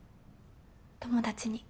友達に。